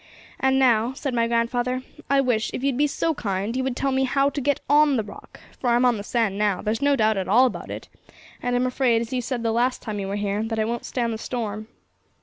'And now,' said my grandfather, 'I wish, if you'd be so kind, you would tell me how to get on the Rock, for I'm on the sand now; there's no doubt at all about it, and I'm afraid, as you said the last time you were here, that it won't stand the storm.'